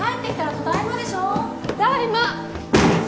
ただいま！